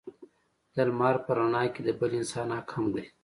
د لمر په رڼا کې د بل انسان حق هم دی.